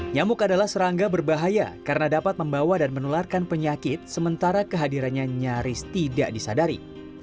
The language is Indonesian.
nyamuk adalah serangga berbahaya karena dapat membawa dan menularkan penyakit sementara kehadirannya nyaris tidak disadari